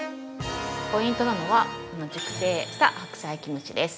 ◆ポイントなのはこの熟成した白菜キムチです。